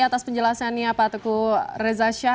atas penjelasannya pak teguh reza shah